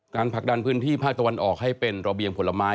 ผลักดันพื้นที่ภาคตะวันออกให้เป็นระเบียงผลไม้